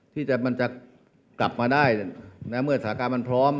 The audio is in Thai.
ที่มันจะกลับมาได้เมื่อสถานการณ์มันพร้อม